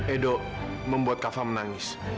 edo membuat kafa menangis